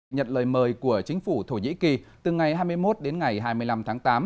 nhận lời mời của chính phủ thổ nhĩ kỳ từ ngày hai mươi một đến ngày hai mươi năm tháng tám